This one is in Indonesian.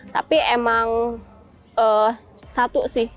tapi emang satu sih